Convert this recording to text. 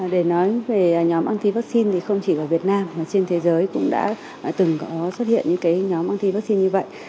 để nói về nhóm anti vaccine thì không chỉ ở việt nam mà trên thế giới cũng đã từng có xuất hiện những cái nhóm anti vaccine như vậy